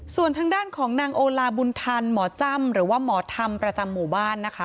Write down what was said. ส่วนทางด้านของนางโอลาบุญธรรมหมอจ้ำหรือว่าหมอธรรมประจำหมู่บ้านนะคะ